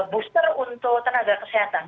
booster untuk tenaga kesehatan